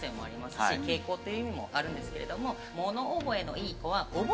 傾向という意味もあるんですけれども。